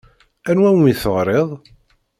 Anwa umi d-teɣriḍ?